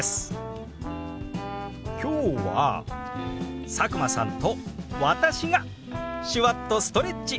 今日は佐久間さんと私が手話っとストレッチ！